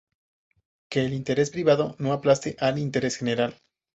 que el interés privado no aplaste al interés general